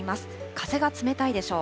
風が冷たいでしょう。